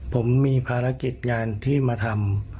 ผมมีภารกิจงานที่มาทำ